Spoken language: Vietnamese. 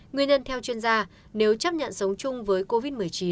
nguyên nhân theo chuyên gia nếu chấp nhận sống chung với covid một mươi chín